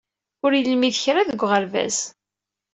Ur yelmid kra deg uɣerbaz.